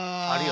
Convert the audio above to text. あ。